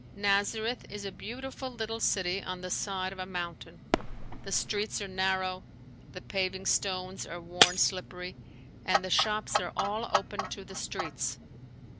Nazareth is a beautiful little city on the side of a mountain. The streets are narrow, the paving stones are worn slippery, and the shops are all open to the streets.